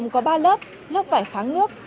có ba lớp lớp vải kháng nước